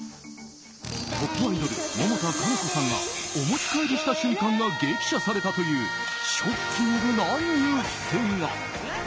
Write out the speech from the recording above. トップアイドル百田夏菜子さんがお持ち帰りした瞬間が激写されたというショッキングなニュースが。